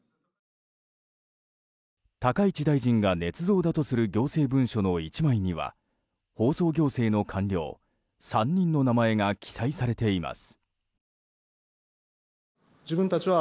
高市大臣がねつ造だとする行政文書の１枚には放送行政の官僚３人の名前が記載されています。